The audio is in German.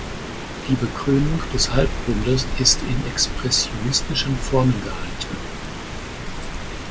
Die Bekrönung des Halbrundes ist in expressionistischen Formen gehalten.